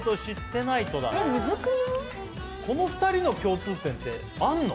この２人の共通点ってあるの？